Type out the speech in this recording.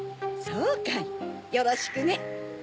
そうかいよろしくね。